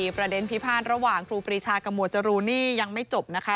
พิพาทระหว่างครูปรีชากับหมวดจรูนนี่ยังไม่จบนะคะ